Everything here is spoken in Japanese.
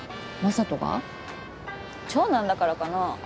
長男だからかな？